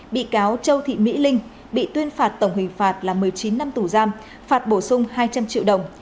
bị cáo châu thị mỹ linh bị tuyên phạt tổng hình phạt là một mươi chín năm tù giam phạt bổ sung hai trăm linh triệu đồng